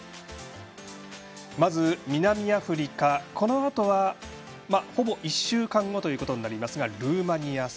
まず南アフリカは、このあとはほぼ１週間後となりますがルーマニア戦。